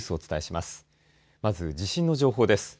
まず、地震の情報です。